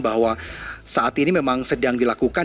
bahwa saat ini memang sedang dilakukan